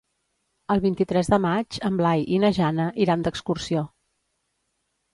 El vint-i-tres de maig en Blai i na Jana iran d'excursió.